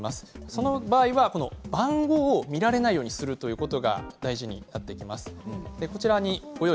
その時は番号を見られないようにすることが大事になります。